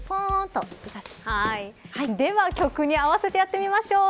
では、曲に合わせてやってみましょう。